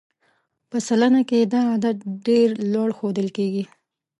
په سلنه کې دا عدد ډېر لوړ ښودل کېږي.